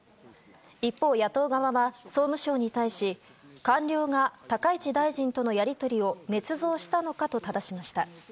一方、野党側は総務省に対し官僚が高市大臣とのやり取りをねつ造したのかとただしました。